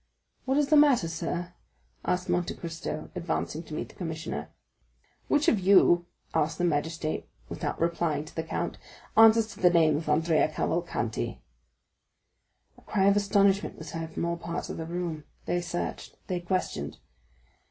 "What is the matter, sir?" asked Monte Cristo, advancing to meet the commissioner. "Which of you gentlemen," asked the magistrate, without replying to the count, "answers to the name of Andrea Cavalcanti?" A cry of astonishment was heard from all parts of the room. They searched; they questioned.